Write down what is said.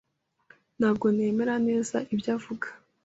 Ntabwo nemera neza ibyo avuga.